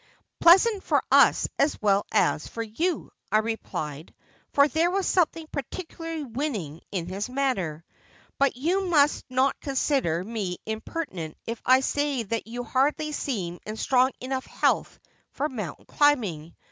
'" Pleasant for us as well as for you," I replied, for there was something particularly winning in his manner ;" but you must not consider me impertinent if I say that you hardly seem in strong enough health for mountain climbing.